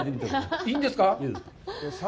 いいですか。